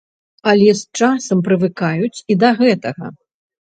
Але з часам прывыкаюць і да гэтага.